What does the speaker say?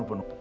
gue gak tahu